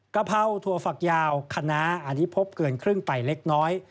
กะเพราถั่วฝักยาวคณะอันนี้พบเกินครึ่งไปเล็กน้อย